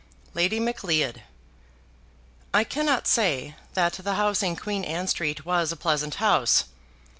Lady Macleod. I cannot say that the house in Queen Anne Street was a pleasant house.